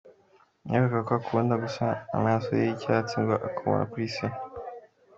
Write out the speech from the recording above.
Marine avuga ko akunda gusa amaso ye y’icyatsi, ngo akomora kuri se.